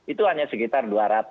itu hanya sekitar dua ratus